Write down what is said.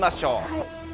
はい。